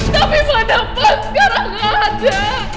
tapi pada pas sekarang gak ada